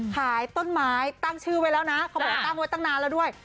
ขายต้นไม้ตั้งชื่อไว้แล้วนะเขาบอกว่าตั้งไว้ตั้งนานแล้วด้วย